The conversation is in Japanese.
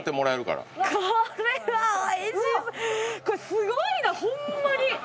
これすごいなホンマに！